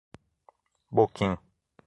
Boquim